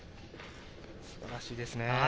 素晴らしいですね。